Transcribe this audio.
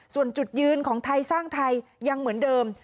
ส่วนจุดยืนของไทยสร้างไทยยังเหมือนเดิม